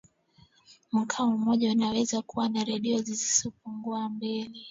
mkoa mmoja unaweza kuwa na redio zisizopungua mbili